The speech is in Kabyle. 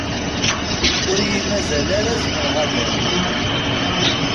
Ur yi-mazal ara zemreɣ ad aruɣ.